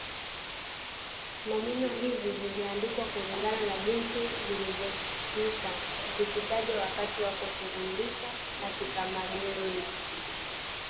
Nomino hizi ziliandikwa kulingana na jinsi zilivyosikika zikitajwa wakati wa kushughulika katika magereji